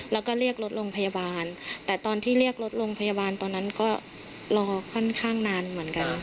แล้วก็เรียกรถโรงพยาบาลแต่ตอนที่เรียกรถโรงพยาบาลตอนนั้นก็รอค่อนข้างนานเหมือนกัน